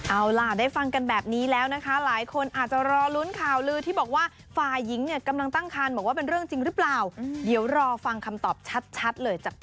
เอาล่ะได้ฟังกันแบบนี้แล้วนะคะหลายคนอาจจะรอลุ้นข่าวลือที่บอกว่าฝ่ายหญิงเนี่ยกำลังตั้งคันบอกว่าเป็นเรื่องจริงหรือเปล่าเดี๋ยวรอฟังคำตอบชัดเลยจาก